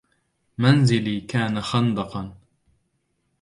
منزلي كان خندقاً